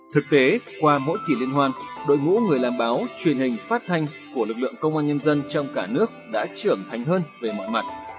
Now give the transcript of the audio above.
thực tế qua mỗi kỳ liên hoan đội ngũ người làm báo truyền hình phát thanh của lực lượng công an nhân dân trong cả nước đã trưởng thành hơn về mọi mặt